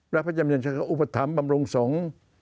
และพระเจ้าบรินทรัพย์ก็อุปถัมภ์บำรุงสงฆ์